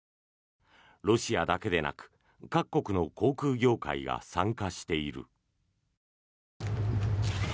ロシアだけでなく各国の航空業界が参加している。